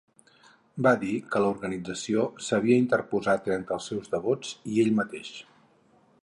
Va dir que l'organització s'havia interposat entre els seus devots i ell mateix.